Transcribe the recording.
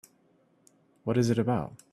What is it about?